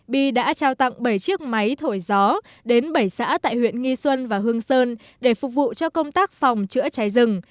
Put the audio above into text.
bi đã trao tặng bảy chiếc máy thổi gió đến bảy xã tại huyện nghi xuân và hương sơn để phục vụ cho công tác phòng chữa cháy rừng